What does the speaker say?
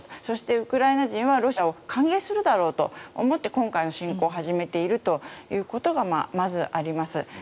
そして、ウクライナ人はロシアを歓迎するだろうと思って今回の侵攻を始めているということがまずあります。